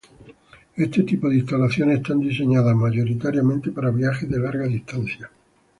Este tipo de instalaciones están diseñadas mayoritariamente para viajes de larga distancia.